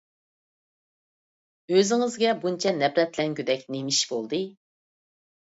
ئۆزىڭىزگە بۇنچە نەپرەتلەنگۈدەك نېمە ئىش بولدى؟